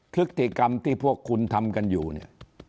พฤติกรรมที่พวกคุณทำกันอยู่เนี่ย